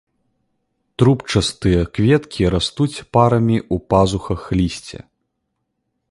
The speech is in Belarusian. Трубчастыя кветкі растуць парамі ў пазухах лісця.